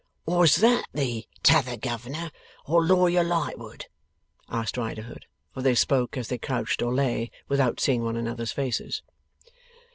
'Was that the T'other Governor, or Lawyer Lightwood?' asked Riderhood. For, they spoke as they crouched or lay, without seeing one another's faces.